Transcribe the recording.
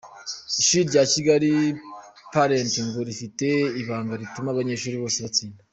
Ishuri rya Kigaki palenti ngo rifite ibanga rituma abanyeshuri bose batsinda